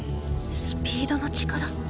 スピードの力？